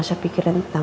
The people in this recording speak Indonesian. sini sini udah udah